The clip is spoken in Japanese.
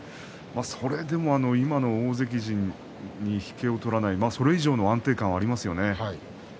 それでも今の大関陣に引けを取らないそれ以上の安定感がありますよね。